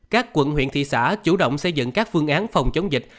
các quận huyện thị xã chủ động xây dựng các phương án phòng chống dịch